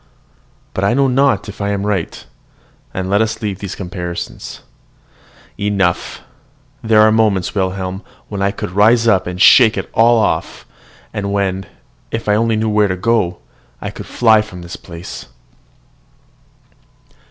But I know not if I am right, and let us leave these comparisons. Enough! There are moments, Wilhelm, when I could rise up and shake it all off, and when, if I only knew where to go, I could fly from this place.